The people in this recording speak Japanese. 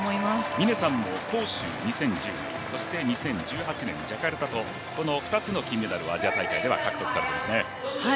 峰さんも、２０１０年広州とそして２０１８年ジャカルタと２つの金メダルをアジア大会では獲得されていますね。